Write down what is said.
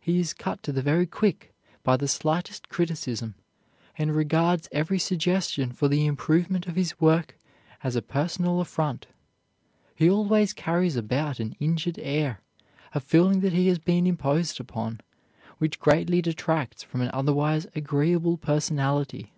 He is cut to the very quick by the slightest criticism, and regards every suggestion for the improvement of his work as a personal affront. He always carries about an injured air, a feeling that he has been imposed upon, which greatly detracts from an otherwise agreeable personality.